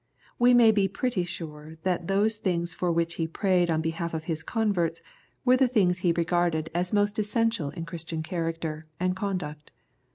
We may be pretty sure that those things for which he prayed on behalf of his converts were the things he regarded as 17 The Prayers of St. Paul most essential in Christian character and conduct.